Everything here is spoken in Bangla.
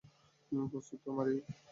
প্রস্তুত তো, মারি?